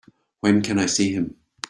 When can I see him?